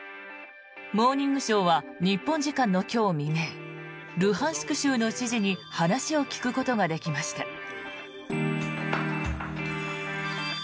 「モーニングショー」は日本時間の今日未明ルハンシク州の知事に話を聞くことができました。